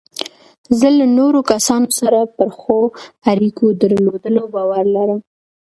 زه له نورو کسانو سره پر ښو اړیکو درلودلو باور لرم.